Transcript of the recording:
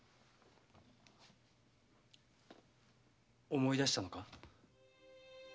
思い出したのか？